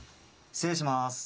失礼します。